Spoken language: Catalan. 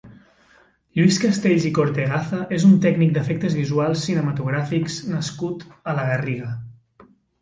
Lluís Castells i Cortegaza és un tècnic d'efectes visuals cinematogràfics nascut a la Garriga.